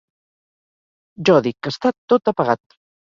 Jo dic que està tot apagat.